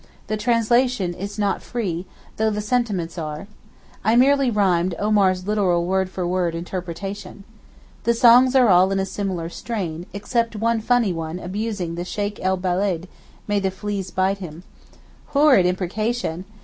The translation is not free, though the sentiments are. I merely rhymed Omar's literal word for word interpretation. The songs are all in a similar strain, except one funny one abusing the 'Sheykh el Beled, may the fleas bite him.' Horrid imprecation!